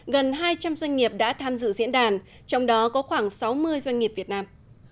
gần hai trăm linh doanh nghiệp đã tham dự diễn đàn trong đó có khoảng sáu mươi doanh nghiệp việt nam